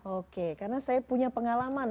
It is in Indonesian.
oke karena saya punya pengalaman